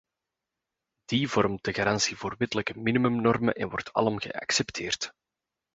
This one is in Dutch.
Die vormt de garantie voor wettelijke minimumnormen en wordt alom geaccepteerd.